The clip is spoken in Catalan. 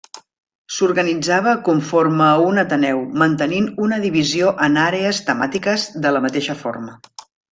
S'organitzava conforme a un ateneu, mantenint una divisió en àrees temàtiques de la mateixa forma.